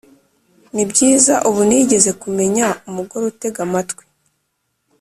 nibyiza ubu nigeze kumenya umugore utega amatwi